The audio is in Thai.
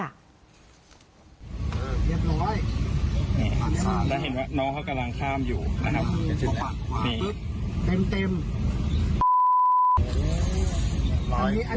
เรียบร้อยนี่ถ้าเห็นว่าน้องเขากำลังข้ามอยู่นะครับ